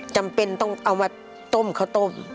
จำเป็นต้องเอามาต้มข้าวต้ม